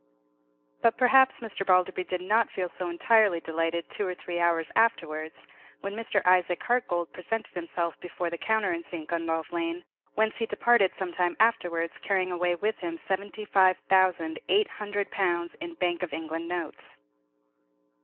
But perhaps Mr. Balderby did not feel so entirely delighted two or three hours afterwards, when Mr. Isaac Hartgold presented himself before the counter in St. Gundolph Lane, whence he departed some time afterwards carrying away with him seventy five thousand eight hundred pounds in Bank of England notes.